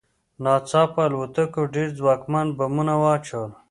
ناڅاپه الوتکو ډېر ځواکمن بمونه واچول